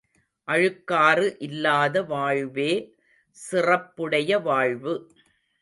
அழுக்காறு இல்லாத வாழ்வே சிறப்புடைய வாழ்வு.